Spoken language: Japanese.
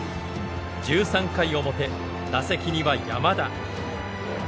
１３回表打席には山田。